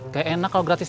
kayak enak kalau gratis